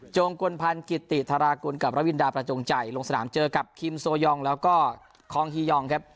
งกลพันธ์กิติธารากุลกับระวินดาประจงใจลงสนามเจอกับคิมโซยองแล้วก็คองฮียองครับ